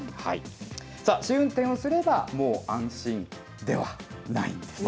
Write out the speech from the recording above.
試運転をすればもう安心ではないんです。